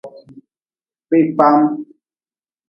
Kpihkpaam.